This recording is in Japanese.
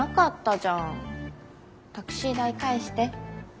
タクシー代返して。